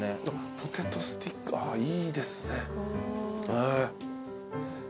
ポテトスティックあいいですね。